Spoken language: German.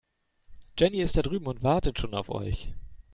Jenny ist da drüben und wartet schon auf euch.